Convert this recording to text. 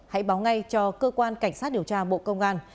hãy báo ngay cho cơ quan cảnh sát điều tra bộ công an